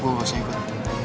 gue gausah ikut